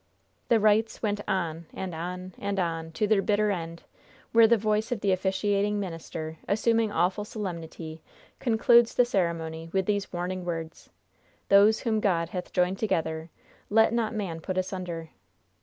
The rites went on, and on, and on, to their bitter end, where the voice of the officiating minister, assuming awful solemnity, concludes the ceremony with these warning words: "'Those whom God hath joined together let not man put asunder.'"